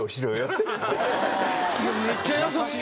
めっちゃ優しい。